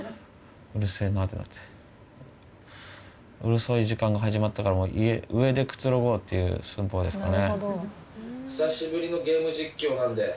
うるさい時間が始まったからもう上でくつろごうっていう寸法ですかね。